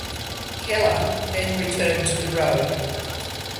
Kellar then returned to the road.